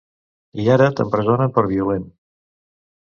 I ara t’empresonen per violent.